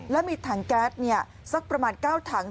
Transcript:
แล้วมีถังแก๊สสักประมาณ๙ถัง